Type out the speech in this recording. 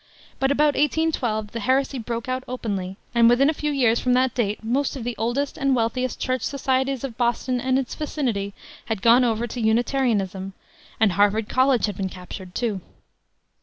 But about 1812 the heresy broke out openly, and within a few years from that date most of the oldest and wealthiest church societies of Boston and its vicinity had gone over to Unitarianism, and Harvard College had been captured, too.